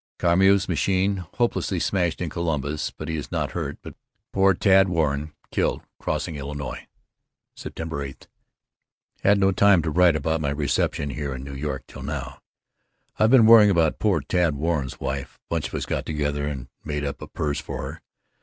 Carmeau's machine hopelessly smashed in Columbus, but he was not hurt, but poor Tad Warren killed crossing Illinois. September 8: Had no time to write about my reception here in New York till now. I've been worrying about poor Tad Warren's wife, bunch of us got together and made up a purse for her.